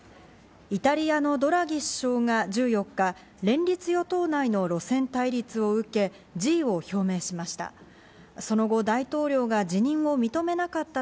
イタリアのドラギ首相が１４日、連立与党内の路線対立を受け、辞意を表明しました。